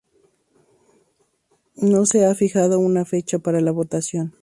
No se ha fijado una fecha para la votación.